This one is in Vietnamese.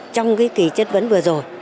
trong cái kỳ chất vấn vừa rồi